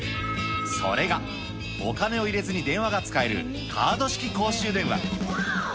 それが、お金を入れずに電話が使える、カード式公衆電話。